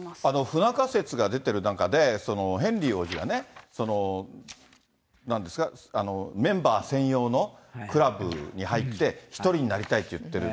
不仲説が出てる中で、ヘンリー王子がね、なんですか、メンバー専用のクラブに入って、１人になりたいって言ってる。